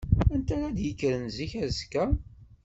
Anta ara d-yekkren zik azekka?